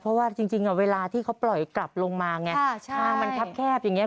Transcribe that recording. เพราะว่าจริงเวลาที่เขาปล่อยกลับลงมาไงทางมันครับแคบอย่างนี้